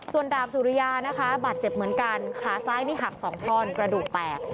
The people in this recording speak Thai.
ส่วนดาบสุริยานะคะบาดเจ็บเหมือนกันขาซ้ายนี่หักสองท่อนกระดูกแตก